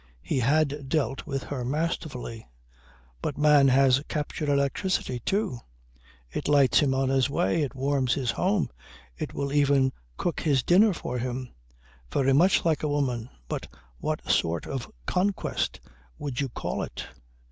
He had dealt with her masterfully. But man has captured electricity too. It lights him on his way, it warms his home, it will even cook his dinner for him very much like a woman. But what sort of conquest would you call it?